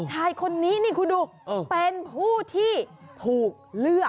ชายคนนี้นี่คุณดูเป็นผู้ที่ถูกเลือก